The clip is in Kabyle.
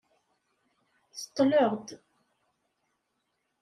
Seḍḍleɣ-d.